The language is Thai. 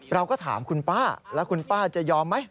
เราก็ถามคุณป้าแล้วคุณป้าจะยอมไหม